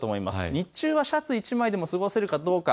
日中はシャツ１枚でも過ごせるかどうか。